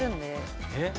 えっ？